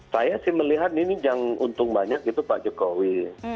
saya sih melihat ini yang untung banyak itu pak jokowi